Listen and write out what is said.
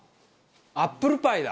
アップルパイだ！